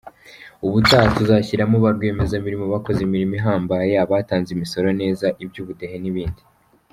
Ubutaha tuzashyiramo ba rwiyemezamirimo bakoze imirimo ihambaye, abatanze imisoro neza, iby’ubudehe n’ibindi.